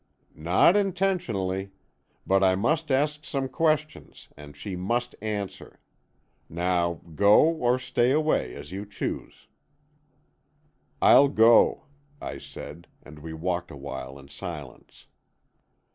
"Not intentionally. But I must ask some questions and she must answer. Now, go or stay away, as you choose." "I'll go," I said, and we walked a while in silence.